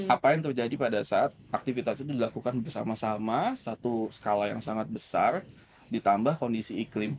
apa yang terjadi pada saat aktivitas itu dilakukan bersama sama satu skala yang sangat besar ditambah kondisi iklim